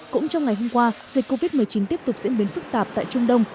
cũng trong ngày hôm qua dịch covid một mươi chín tiếp tục diễn biến phức tạp tại trung đông